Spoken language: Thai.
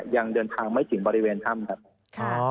ยังเดินทางไม่ถึงบริเวณถ้ำครับ